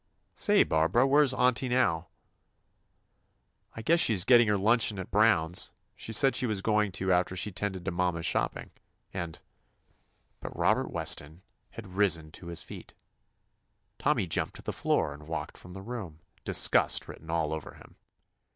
Say, Barbara* whereas auntie now?" "I guess she 's getting her luncheon at Brown's. She said she was going to after she 'tended to mamma's shop ping, and —" But Robert Weston had risen to his 161 THE ADVENTURES OF feet. Tommy jumped to the floor and walked from the room, disgust written all over him.